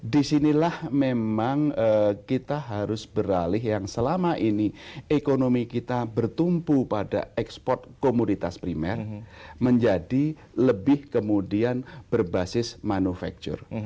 disinilah memang kita harus beralih yang selama ini ekonomi kita bertumpu pada ekspor komoditas primer menjadi lebih kemudian berbasis manufaktur